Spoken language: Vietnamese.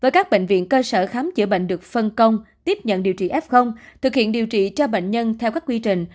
cơ sở khám chữa bệnh được phân công tiếp nhận điều trị f thực hiện điều trị cho bệnh nhân theo các quy trình